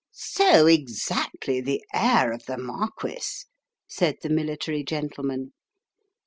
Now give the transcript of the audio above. " So exactly the air of the marquis," said the military gentleman.